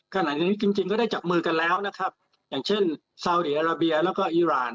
ขณะนี้จริงจริงก็ได้จับมือกันแล้วนะครับอย่างเช่นซาวดีอาราเบียแล้วก็อีราน